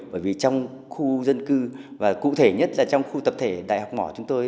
bởi vì trong khu dân cư và cụ thể nhất là trong khu tập thể đại học mỏ chúng tôi